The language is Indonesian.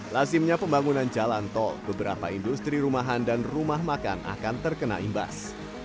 lasimnya pembangunan jalan tol beberapa industri rumahan dan rumah makan akan terkena imbas